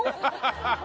ハハハハ！